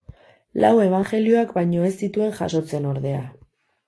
Lau Ebanjelioak baino ez zituen jasotzen, ordea.